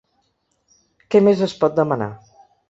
Què més es pot demanar.